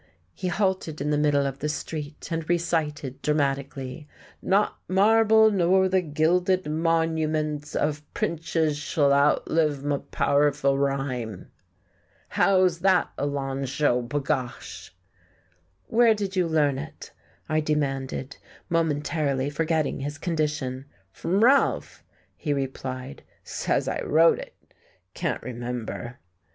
He halted in the middle of the street and recited dramatically: "'Not marble, nor th' gilded monuments Of prinches sh'll outlive m' powerful rhyme.'" "How's that, Alonzho, b'gosh?" "Where did you learn it?" I demanded, momentarily forgetting his condition. "Fr'm Ralph," he replied, "says I wrote it. Can't remember...."